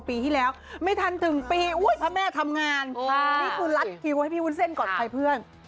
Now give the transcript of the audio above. ปีที่แล้วไม่ทันถึงปีพระแม่ทำงานนี่คือรัดคิวให้พี่วุ้นเส้นก่อนใครเพื่อน